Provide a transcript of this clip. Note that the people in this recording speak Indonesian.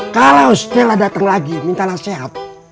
kalau stella datang lagi minta nasihat